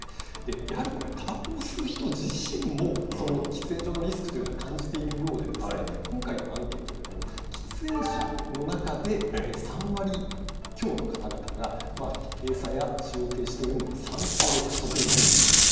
やはりこれ、たばこを吸う人自身も喫煙所のリスクというのは感じているようで、今回のアンケートでも、喫煙者の中で３割強の方々が、閉鎖や使用停止というのに賛成しているんです。